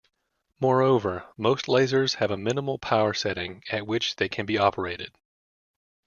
Moreover, most lasers have a minimal power setting at which they can be operated.